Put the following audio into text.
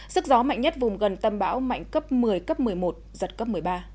sức gió mạnh nhất vùng gần tâm bão mạnh cấp một mươi cấp một mươi một giật cấp một mươi ba